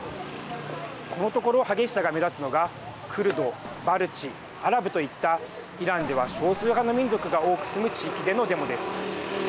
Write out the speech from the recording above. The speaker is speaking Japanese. このところ、激しさが目立つのがクルド、バルチ、アラブといったイランでは少数派の民族が多く住む地域でのデモです。